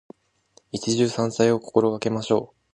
一汁三菜を心がけましょう。